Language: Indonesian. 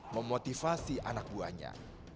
memotivasi anak buahnya